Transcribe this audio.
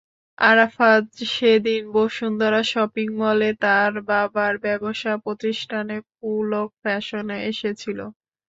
আরাফাত সেদিন বসুন্ধরা শপিং মলে তার বাবার ব্যবসাপ্রতিষ্ঠান পুলক ফ্যাশনে এসেছিল।